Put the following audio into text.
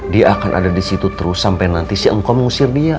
dia akan ada disitu terus sampai nanti si engkom mengusir dia